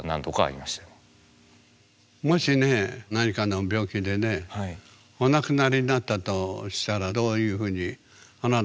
もしね何かの病気でねお亡くなりになったとしたらどういうふうにあなたは思いますか？